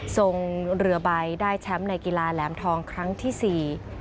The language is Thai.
ทรงเรือใบได้แชมป์ในกีฬาแหลมทองครั้งที่สี่